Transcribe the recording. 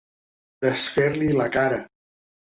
Desfer-li la cara.